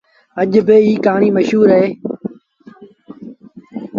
اڄ با ايٚ ڪهآڻيٚ مشهور اهي۔